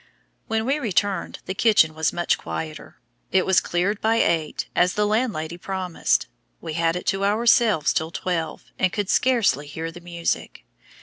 When we returned, the kitchen was much quieter. It was cleared by eight, as the landlady promised; we had it to ourselves till twelve, and could scarcely hear the music.